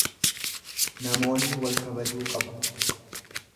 Namoonni wal kabajuu qabu.